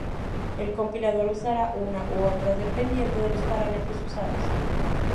El compilador usará una u otra dependiendo de los parámetros usados.